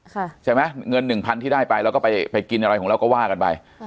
ใช่ไหมเงินหนึ่งพันที่ได้ไปเราก็ไปไปกินอะไรของเราก็ว่ากันไป